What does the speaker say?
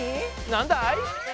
なんだい？